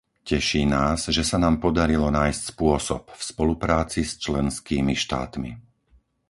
Teší nás, že sa nám podarilo nájsť spôsob - v spolupráci s členskými štátmi.